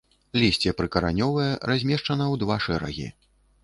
Лісце прыкаранёвае, размешчана ў два шэрагі.